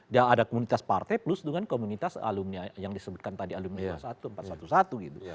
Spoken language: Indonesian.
ya ada komunitas partai plus dengan komunitas alumni yang disebutkan tadi alumni dua puluh satu empat ratus sebelas gitu